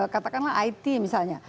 katakanlah it misalnya